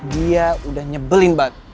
dia udah nyebelin banget